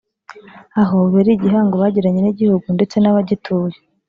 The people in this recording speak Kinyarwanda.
aho biba ari igihango bagiranye n’igihugu ndetse n’abagituye